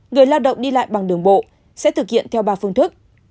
người lao động đi lại bằng đường bộ sẽ thực hiện theo ba phương thức